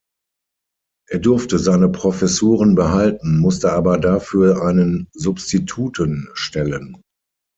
Er durfte seine Professuren behalten, musste aber dafür einen Substituten stellen.